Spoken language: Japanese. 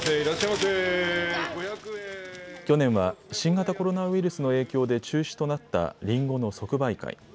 去年は新型コロナウイルスの影響で中止となったりんごの即売会。